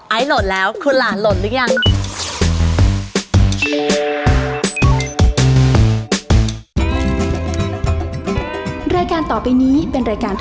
โหลดแล้วคุณหลานโหลดหรือยัง